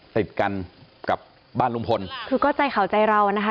ติดกันกับบ้านลุงพลคือก็ใจข่าวใจเราอ่ะนะคะ